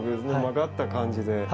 曲がった感じで。